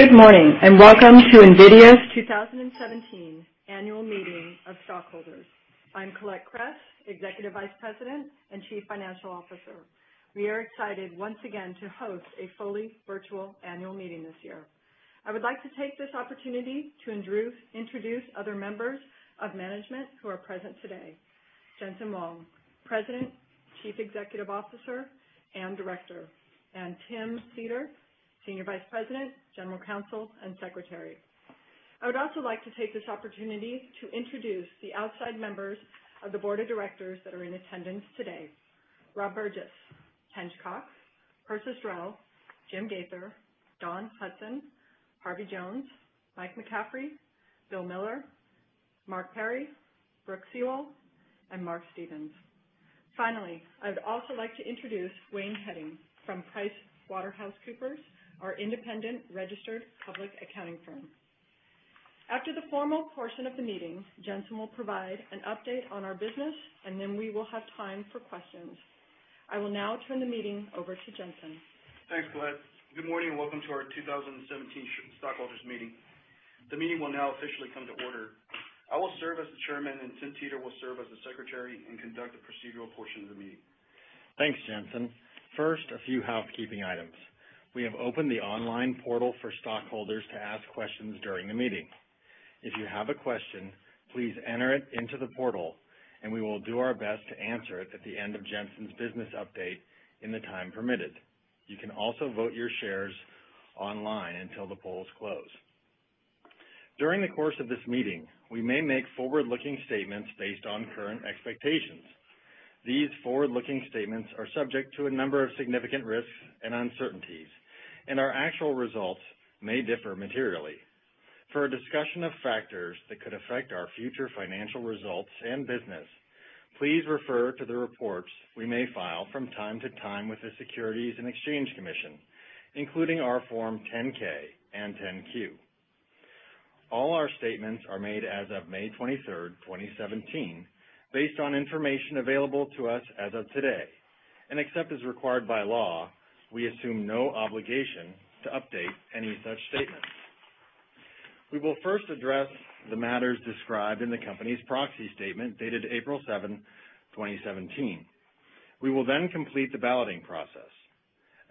Good morning, and welcome to NVIDIA's 2017 annual meeting of stockholders. I'm Colette Kress, Executive Vice President and Chief Financial Officer. We are excited once again to host a fully virtual annual meeting this year. I would like to take this opportunity to introduce other members of management who are present today. Jensen Huang, President, Chief Executive Officer, and Director. Tim Teter, Senior Vice President, General Counsel, and Secretary. I would also like to take this opportunity to introduce the outside members of the board of directors that are in attendance today. Rob Burgess, Tench Coxe, Persis Drell, Jim Gaither, Dawn Hudson, Harvey Jones, Mike McCaffrey, Bill Miller, Mark Perry, Brooke Seawell, and Mark Stevens. Finally, I would also like to introduce Wayne Hedden from PricewaterhouseCoopers, our independent registered public accounting firm. After the formal portion of the meeting, Jensen will provide an update on our business, and then we will have time for questions. I will now turn the meeting over to Jensen. Thanks, Colette. Good morning and welcome to our 2017 stockholders meeting. The meeting will now officially come to order. I will serve as the Chairman, and Tim Teter will serve as the Secretary and conduct the procedural portion of the meeting. Thanks, Jensen. First, a few housekeeping items. We have opened the online portal for stockholders to ask questions during the meeting. If you have a question, please enter it into the portal, and we will do our best to answer it at the end of Jensen's business update in the time permitted. You can also vote your shares online until the polls close. During the course of this meeting, we may make forward-looking statements based on current expectations. These forward-looking statements are subject to a number of significant risks and uncertainties, and our actual results may differ materially. For a discussion of factors that could affect our future financial results and business, please refer to the reports we may file from time to time with the Securities and Exchange Commission, including our Form 10-K and 10-Q. All our statements are made as of May 23rd, 2017, based on information available to us as of today. Except as required by law, we assume no obligation to update any such statements. We will first address the matters described in the company's proxy statement dated April 7th, 2017. We will then complete the balloting process.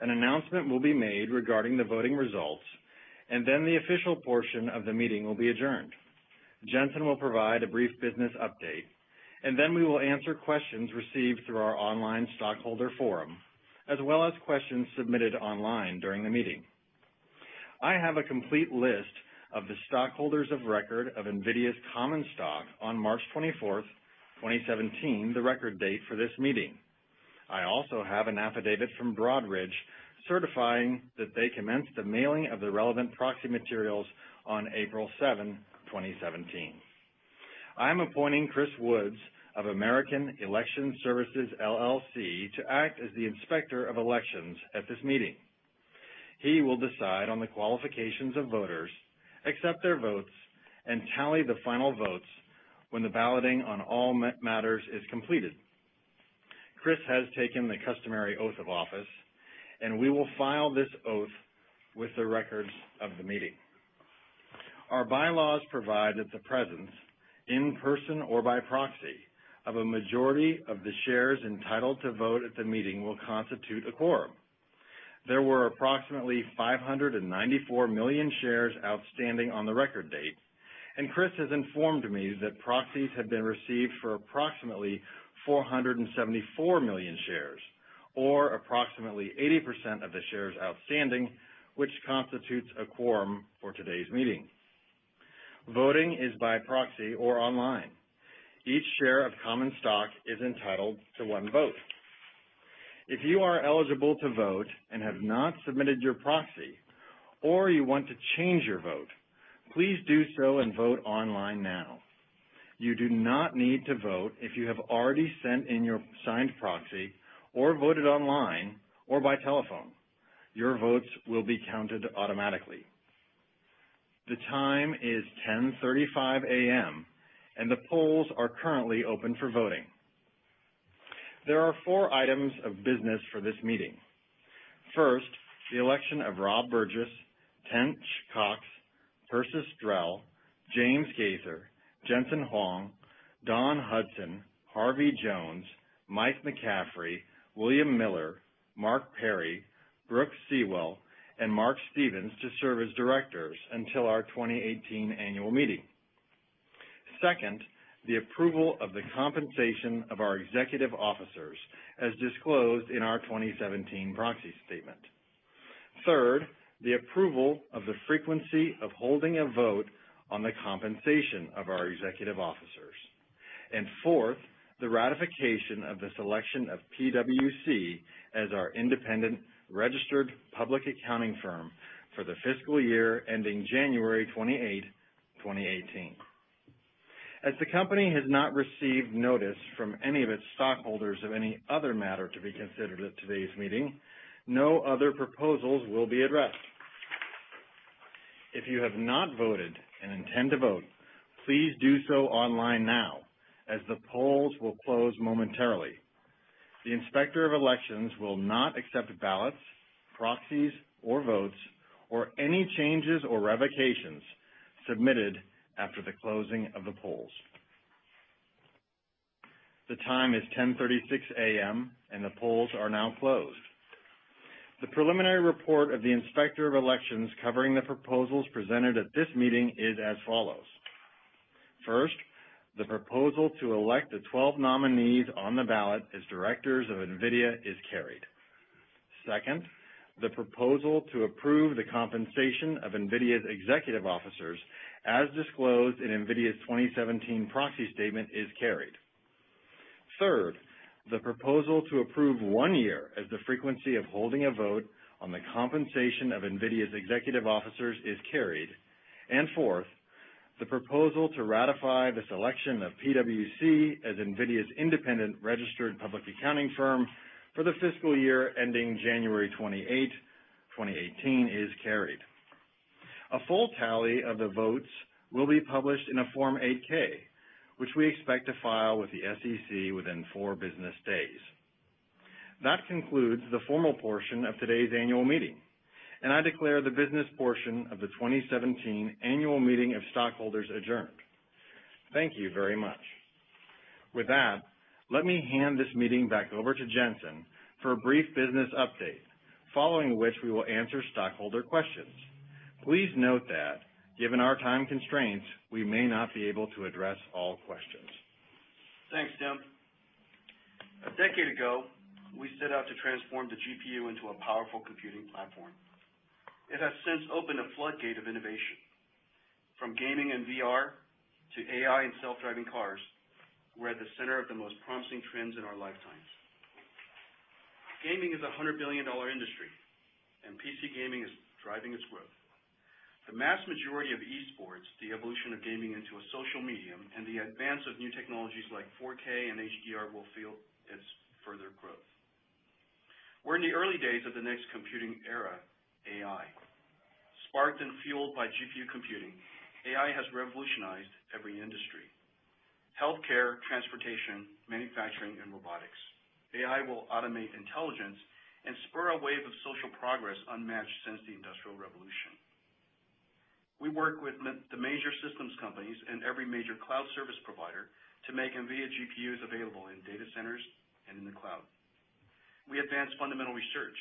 An announcement will be made regarding the voting results. The official portion of the meeting will be adjourned. Jensen will provide a brief business update. We will answer questions received through our online stockholder forum, as well as questions submitted online during the meeting. I have a complete list of the stockholders of record of NVIDIA's common stock on March 24th, 2017, the record date for this meeting. I also have an affidavit from Broadridge certifying that they commenced the mailing of the relevant proxy materials on April 7, 2017. I'm appointing Chris Woods of American Election Services, LLC to act as the inspector of elections at this meeting. He will decide on the qualifications of voters, accept their votes, and tally the final votes when the balloting on all matters is completed. Chris has taken the customary oath of office. We will file this oath with the records of the meeting. Our bylaws provide that the presence, in person or by proxy, of a majority of the shares entitled to vote at the meeting will constitute a quorum. There were approximately 594 million shares outstanding on the record date. Chris has informed me that proxies have been received for approximately 474 million shares, or approximately 80% of the shares outstanding, which constitutes a quorum for today's meeting. Voting is by proxy or online. Each share of common stock is entitled to one vote. If you are eligible to vote and have not submitted your proxy, or you want to change your vote, please do so and vote online now. You do not need to vote if you have already sent in your signed proxy or voted online or by telephone. Your votes will be counted automatically. The time is 10:35 A.M. The polls are currently open for voting. There are four items of business for this meeting. First, the election of Rob Burgess, Tench Coxe, Persis Drell, James Gaither, Jensen Huang, Dawn Hudson, Harvey Jones, Michael McCaffrey, William Miller, Mark Perry, Brooke Seawell, and Mark Stevens to serve as directors until our 2018 annual meeting. Second, the approval of the compensation of our executive officers as disclosed in our 2017 proxy statement. Third, the approval of the frequency of holding a vote on the compensation of our executive officers. Fourth, the ratification of the selection of PwC as our independent registered public accounting firm for the fiscal year ending January 28th, 2018. As the company has not received notice from any of its stockholders of any other matter to be considered at today's meeting, no other proposals will be addressed. If you have not voted and intend to vote, please do so online now, as the polls will close momentarily. The Inspector of Elections will not accept ballots, proxies, or votes, or any changes or revocations submitted after the closing of the polls. The time is 10:36 A.M., and the polls are now closed. The preliminary report of the Inspector of Elections covering the proposals presented at this meeting is as follows. First, the proposal to elect the 12 nominees on the ballot as directors of NVIDIA is carried. Second, the proposal to approve the compensation of NVIDIA's executive officers as disclosed in NVIDIA's 2017 proxy statement is carried. Third, the proposal to approve one year as the frequency of holding a vote on the compensation of NVIDIA's executive officers is carried. Fourth, the proposal to ratify the selection of PwC as NVIDIA's independent registered public accounting firm for the fiscal year ending January 28, 2018, is carried. A full tally of the votes will be published in a Form 8-K, which we expect to file with the SEC within four business days. That concludes the formal portion of today's annual meeting, and I declare the business portion of the 2017 Annual Meeting of Stockholders adjourned. Thank you very much. With that, let me hand this meeting back over to Jensen for a brief business update, following which we will answer stockholder questions. Please note that given our time constraints, we may not be able to address all questions. Thanks, Tim. A decade ago, we set out to transform the GPU into a powerful computing platform. It has since opened a floodgate of innovation. From gaming and VR to AI and self-driving cars, we're at the center of the most promising trends in our lifetimes. Gaming is a $100 billion industry, and PC gaming is driving its growth. The mass majority of esports, the evolution of gaming into a social medium, and the advance of new technologies like 4K and HDR will fuel its further growth. We're in the early days of the next computing era, AI. Sparked and fueled by GPU computing, AI has revolutionized every industry. Healthcare, transportation, manufacturing, and robotics. AI will automate intelligence and spur a wave of social progress unmatched since the Industrial Revolution. We work with the major systems companies and every major cloud service provider to make NVIDIA GPUs available in data centers and in the cloud. We advance fundamental research,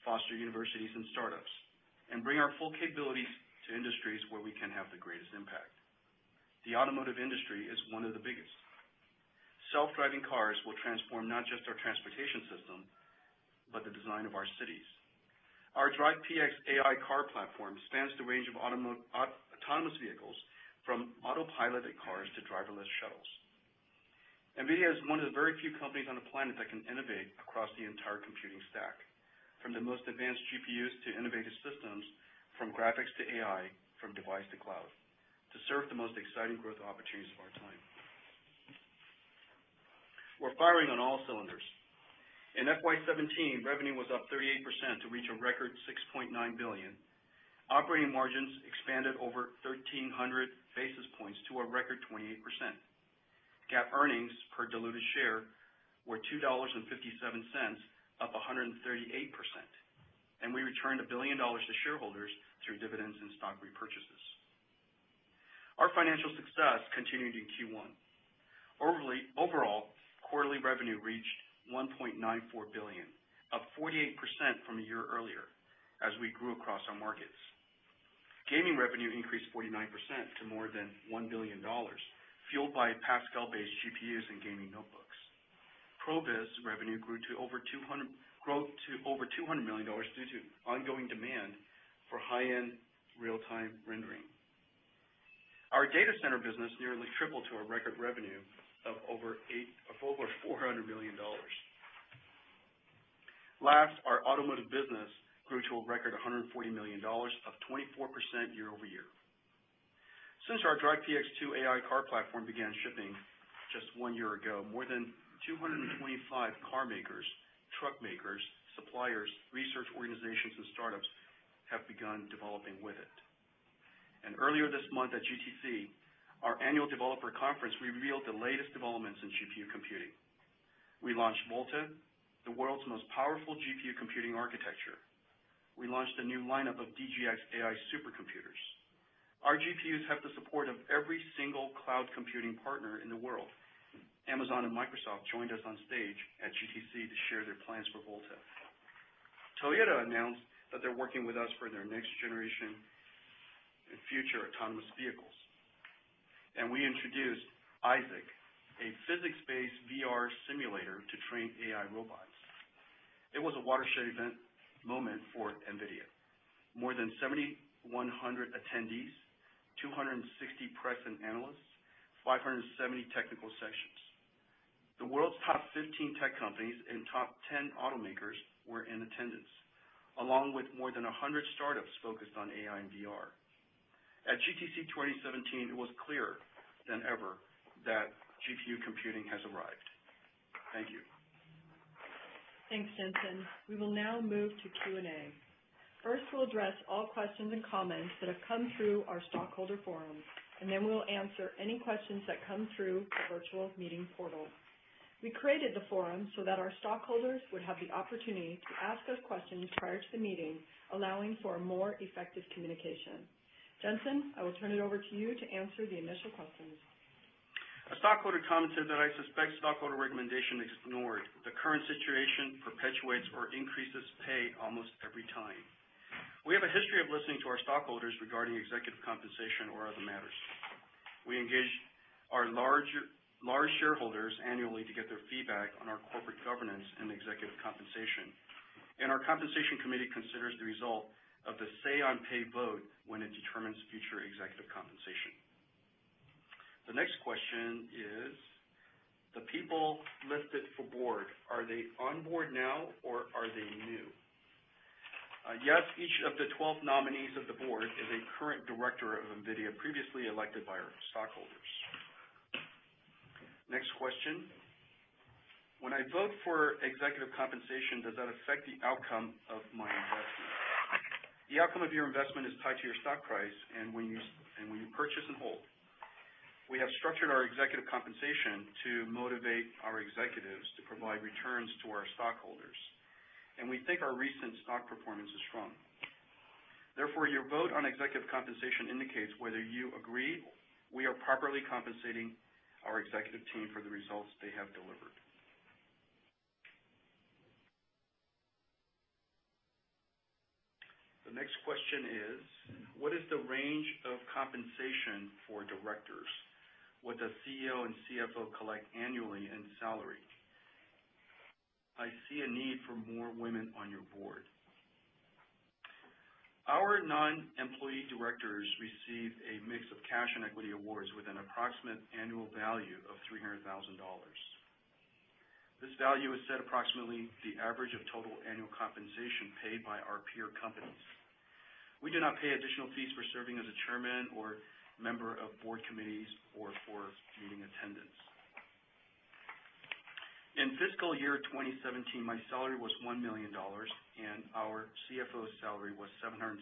foster universities and startups, and bring our full capabilities to industries where we can have the greatest impact. The automotive industry is one of the biggest. Self-driving cars will transform not just our transportation system, but the design of our cities. Our DRIVE PX AI car platform spans the range of autonomous vehicles, from autopilot cars to driverless shuttles. NVIDIA is one of the very few companies on the planet that can innovate across the entire computing stack, from the most advanced GPUs to innovative systems, from graphics to AI, from device to cloud, to serve the most exciting growth opportunities of our time. We're firing on all cylinders. In FY 2017, revenue was up 38% to reach a record $6.9 billion. Operating margins expanded over 1,300 basis points to a record 28%. GAAP earnings per diluted share were $2.57, up 138%, and we returned $1 billion to shareholders through dividends and stock repurchases. Our financial success continued in Q1. Overall, quarterly revenue reached $1.94 billion, up 48% from a year earlier as we grew across our markets. Gaming revenue increased 49% to more than $1 billion, fueled by Pascal-based GPUs and gaming notebooks. Pro viz revenue grew to over $200 million due to ongoing demand for high-end real-time rendering. Our data center business nearly tripled to a record revenue of over $400 million. Last, our automotive business grew to a record $140 million, up 24% year-over-year. Since our DRIVE PX 2 AI car platform began shipping just one year ago, more than 225 car makers, truck makers, suppliers, research organizations, and startups have begun developing with it. Earlier this month at GTC, our annual developer conference, we revealed the latest developments in GPU computing. We launched Volta, the world's most powerful GPU computing architecture. We launched a new lineup of DGX AI supercomputers. Our GPUs have the support of every single cloud computing partner in the world. Amazon and Microsoft joined us on stage at GTC to share their plans for Volta. Toyota announced that they're working with us for their next generation and future autonomous vehicles. We introduced Isaac, a physics-based VR simulator to train AI robots. It was a watershed event moment for NVIDIA. More than 7,100 attendees, 260 press and analysts, 570 technical sessions. The world's top 15 tech companies and top 10 automakers were in attendance, along with more than 100 startups focused on AI and VR. At GTC 2017, it was clearer than ever that GPU computing has arrived. Thank you. Thanks, Jensen. We will now move to Q&A. First, we'll address all questions and comments that have come through our stockholder forums, and then we'll answer any questions that come through the virtual meeting portal. We created the forum so that our stockholders would have the opportunity to ask us questions prior to the meeting, allowing for more effective communication. Jensen, I will turn it over to you to answer the initial questions. A stockholder commented that, "I suspect stockholder recommendation ignored. The current situation perpetuates or increases pay almost every time." We have a history of listening to our stockholders regarding executive compensation or other matters. We engage our large shareholders annually to get their feedback on our corporate governance and executive compensation. Our compensation committee considers the result of the say on pay vote when it determines future executive compensation. The next question is, "The people listed for board, are they on board now, or are they new?" Yes, each of the 12 nominees of the board is a current director of NVIDIA, previously elected by our stockholders. Next question. "When I vote for executive compensation, does that affect the outcome of my investment?" The outcome of your investment is tied to your stock price and when you purchase and hold. We have structured our executive compensation to motivate our executives to provide returns to our stockholders, and we think our recent stock performance is strong. Therefore, your vote on executive compensation indicates whether you agree we are properly compensating our executive team for the results they have delivered. The next question is, "What is the range of compensation for directors? What does CEO and CFO collect annually in salary? I see a need for more women on your board." Our non-employee directors receive a mix of cash and equity awards with an approximate annual value of $300,000. This value is set approximately the average of total annual compensation paid by our peer companies. We do not pay additional fees for serving as a chairman or member of board committees or for meeting attendance. In fiscal year 2017, my salary was $1 million, and our CFO's salary was $775,000.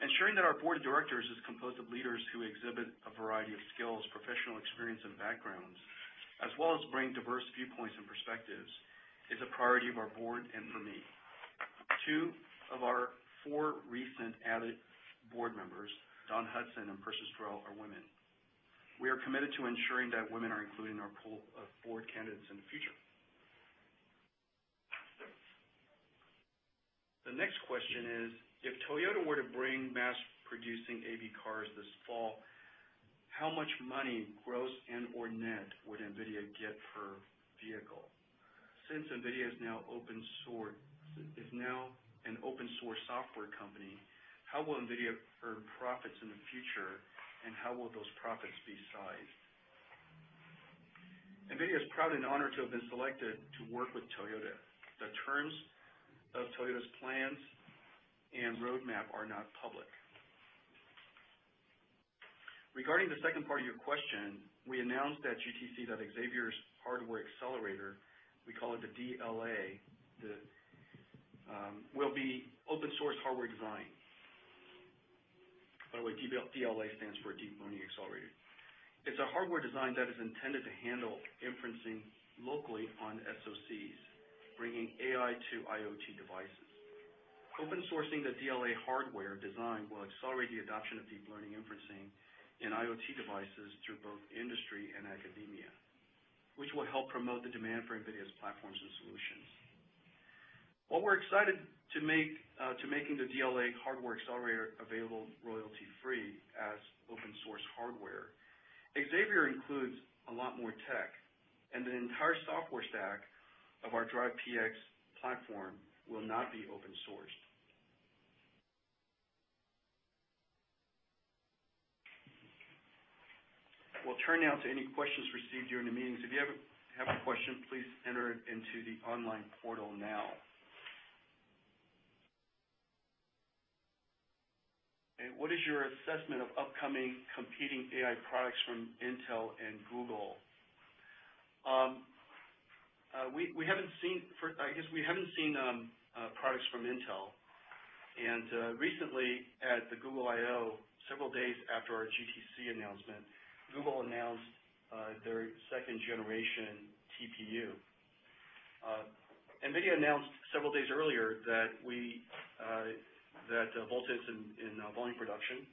Ensuring that our board of directors is composed of leaders who exhibit a variety of skills, professional experience, and backgrounds, as well as bring diverse viewpoints and perspectives, is a priority of our board and for me. Two of our four recent added board members, Dawn Hudson and Persis Drell, are women. We are committed to ensuring that women are included in our pool of board candidates in the future. The next question is, "If Toyota were to bring mass producing AV cars this fall, how much money, gross and/or net, would NVIDIA get per vehicle? Since NVIDIA is now an open source software company, how will NVIDIA earn profits in the future, and how will those profits be sized?" NVIDIA is proud and honored to have been selected to work with Toyota. The terms of Toyota's plans and roadmap are not public. Regarding the second part of your question, we announced at GTC that Xavier's hardware accelerator, we call it the DLA, will be open source hardware design. By the way, DLA stands for deep learning accelerator. It's a hardware design that is intended to handle inferencing locally on SOCs, bringing AI to IoT devices. Open sourcing the DLA hardware design will accelerate the adoption of deep learning inferencing in IoT devices through both industry and academia, which will help promote the demand for NVIDIA's platforms and solutions. While we're excited to making the DLA hardware accelerator available royalty-free as open source hardware, Xavier includes a lot more tech, and the entire software stack of our DRIVE PX platform will not be open sourced. We'll turn now to any questions received during the meetings. If you have a question, please enter it into the online portal now. What is your assessment of upcoming competing AI products from Intel and Google?" I guess we haven't seen products from Intel. Recently at the Google I/O, several days after our GTC announcement, Google announced their 2nd generation TPU. NVIDIA announced several days earlier that Volta is in volume production.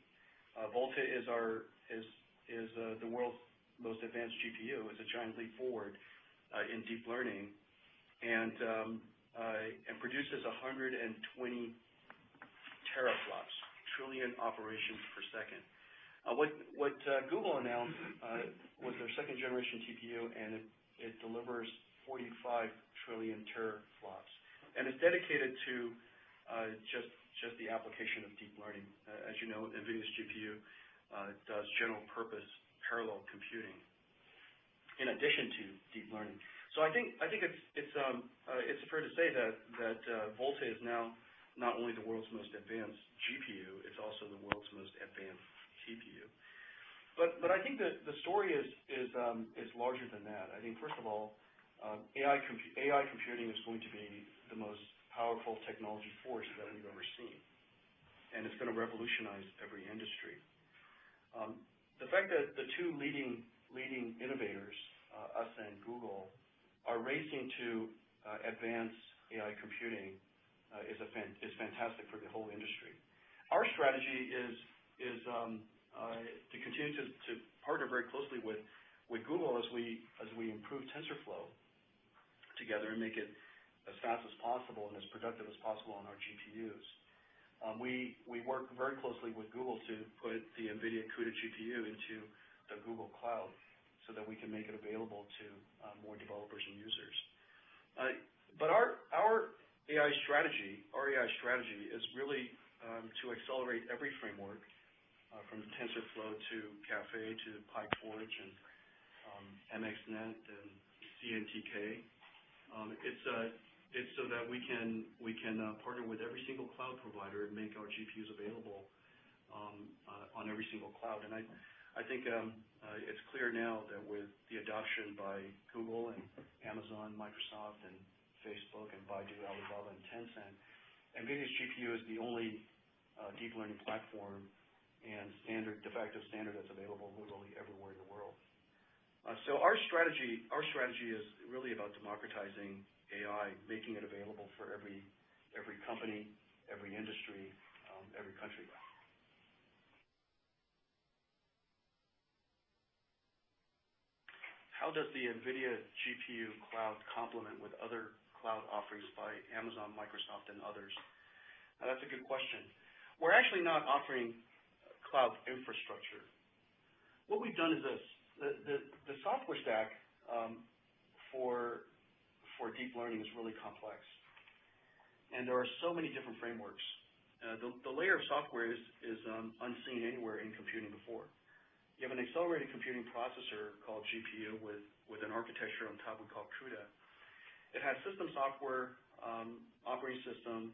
Volta is the world's most advanced GPU. It's a giant leap forward in deep learning, and produces 120 teraflops, trillion operations per second. What Google announced was their 2nd generation TPU, and it delivers 45 trillion teraflops, and it's dedicated to just the application of deep learning. As you know, NVIDIA's GPU does general purpose parallel computing in addition to deep learning. I think it's fair to say that Volta is now not only the world's most advanced GPU, it's also the world's most advanced TPU. I think that the story is larger than that. I think first of all, AI computing is going to be the most powerful technology force that we've ever seen, and it's going to revolutionize every industry. The fact that the two leading innovators, us and Google, are racing to advance AI computing is fantastic for the whole industry. Our strategy is to continue to partner very closely with Google as we improve TensorFlow together and make it as fast as possible and as productive as possible on our GPUs. We work very closely with Google to put the NVIDIA CUDA GPU into the Google Cloud so that we can make it available to more developers and users. Our AI strategy is really to accelerate every framework from TensorFlow to Caffe to PyTorch and MXNet and CNTK. It's so that we can partner with every single cloud provider and make our GPUs available on every single cloud. I think it's clear now that with the adoption by Google and Amazon, Microsoft and Facebook and Baidu, Alibaba, and Tencent, NVIDIA's GPU is the only deep learning platform and de facto standard that's available literally everywhere in the world. Our strategy is really about democratizing AI, making it available for every company, every industry, every country. "How does the NVIDIA GPU Cloud complement with other cloud offerings by Amazon, Microsoft, and others?" That's a good question. We're actually not offering cloud infrastructure. What we've done is this. The software stack for deep learning is really complex, and there are so many different frameworks. The layer of software is unseen anywhere in computing before. You have an accelerated computing processor called GPU with an architecture on top we call CUDA. It has system software, operating system,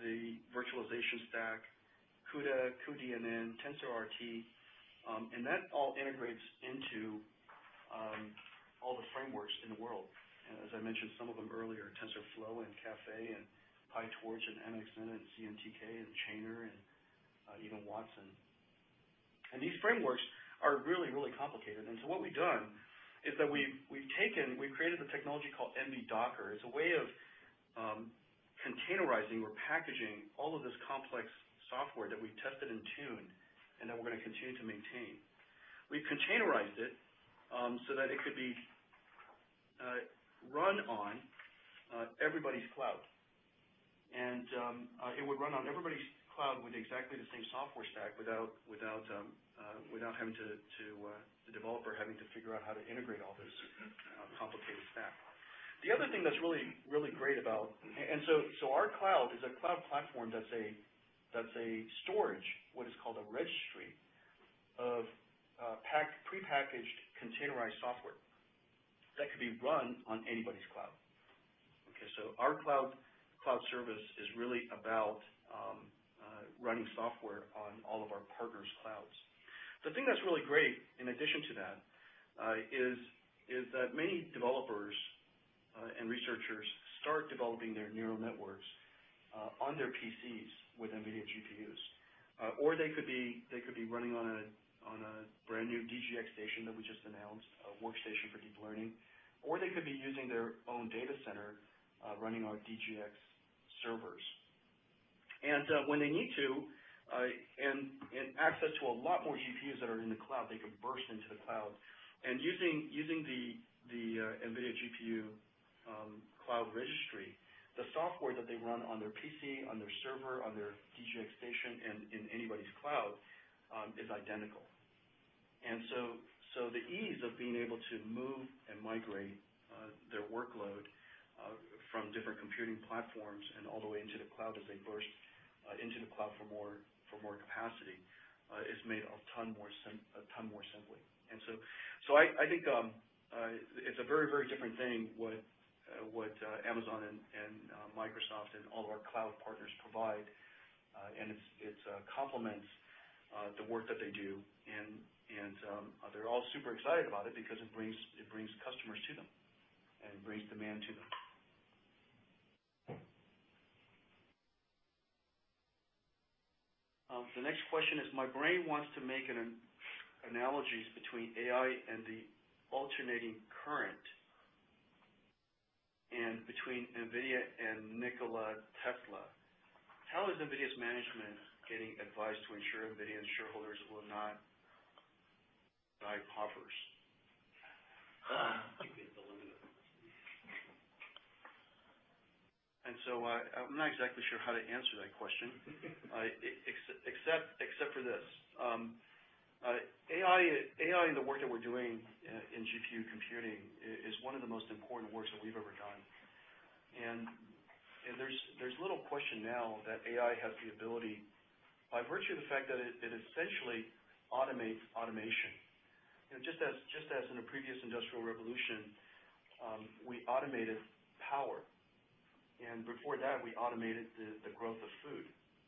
the virtualization stack, CUDA, cuDNN, TensorRT, and that all integrates into all the frameworks in the world. As I mentioned some of them earlier, TensorFlow and Caffe and PyTorch and MXNet and CNTK and Chainer and even Watson. These frameworks are really, really complicated. What we've done is that we've created a technology called nvidia-docker as a way of containerizing or packaging all of this complex software that we've tested and tuned and that we're going to continue to maintain. We've containerized it so that it could be run on everybody's cloud. It would run on everybody's cloud with exactly the same software stack without the developer having to figure out how to integrate all this complicated stack. Our cloud is a cloud platform that's a storage, what is called a registry of prepackaged containerized software that could be run on anybody's cloud. Okay, our cloud service is really about running software on all of our partners' clouds. The thing that's really great in addition to that is that many developers and researchers start developing their neural networks on their PCs with NVIDIA GPUs. Or they could be running on a brand-new DGX Station that we just announced, a workstation for deep learning. Or they could be using their own data center running our DGX servers. When they need to access a lot more GPUs that are in the cloud, they can burst into the cloud. Using the NVIDIA GPU Cloud registry, the software that they run on their PC, on their server, on their DGX Station, and in anybody's cloud is identical. The ease of being able to move and migrate their workload from different computing platforms and all the way into the cloud as they burst into the cloud for more capacity is made a ton more simply. I think it's a very, very different thing what Amazon and Microsoft and all of our cloud partners provide, and it complements the work that they do. They're all super excited about it because it brings customers to them and brings demand to them. The next question is, "My brain wants to make analogies between AI and the alternating current, and between NVIDIA and Nikola Tesla. How is NVIDIA's management getting advice to ensure NVIDIA and shareholders will not buy [Hoppers]?" You can delete it. I'm not exactly sure how to answer that question except for this. AI and the work that we're doing in GPU computing is one of the most important works that we've ever done. There's little question now that AI has the ability by virtue of the fact that it essentially automates automation. Just as in a previous industrial revolution, we automated power, and before that, we automated the growth of food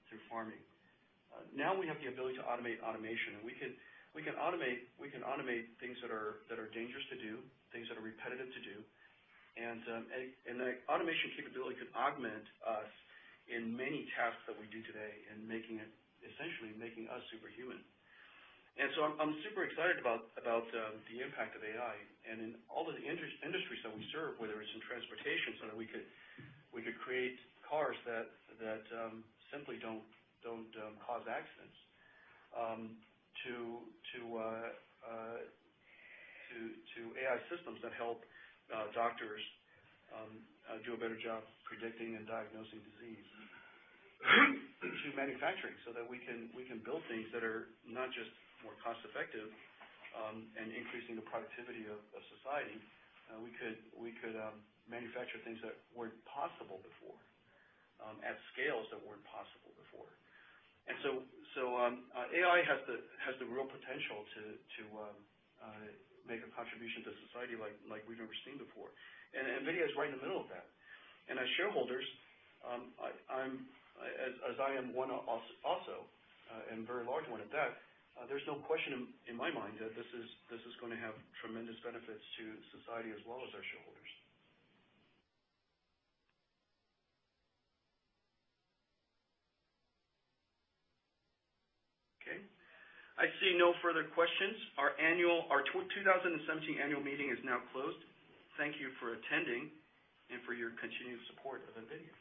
through farming. Now we have the ability to automate automation, and we can automate things that are dangerous to do, things that are repetitive to do, and the automation capability could augment us in many tasks that we do today in essentially making us superhuman. I'm super excited about the impact of AI and in all of the industries that we serve, whether it's in transportation, so that we could create cars that simply don't cause accidents, to AI systems that help doctors do a better job predicting and diagnosing disease, to manufacturing so that we can build things that are not just more cost-effective and increasing the productivity of society. We could manufacture things that weren't possible before at scales that weren't possible before. AI has the real potential to make a contribution to society like we've never seen before. NVIDIA is right in the middle of that. As shareholders, as I am one also, and a very large one at that, there's no question in my mind that this is going to have tremendous benefits to society as well as our shareholders. Okay. I see no further questions. Our 2017 annual meeting is now closed. Thank you for attending and for your continued support of NVIDIA.